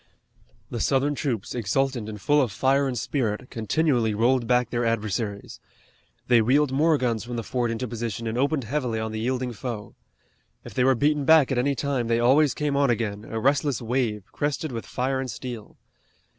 The Southern troops, exultant and full of fire and spirit, continually rolled back their adversaries. They wheeled more guns from the fort into position and opened heavily on the yielding foe. If they were beaten back at any time they always came on again, a restless wave, crested with fire and steel.